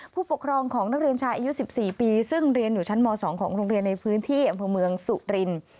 ผู้ปกครองของนักเรียนชายอายุ๑๔ปีซึ่งเรียนอยู่ชั้นม๒ของโรงเรียนในพื้นที่อำเภอเมืองสุรินทร์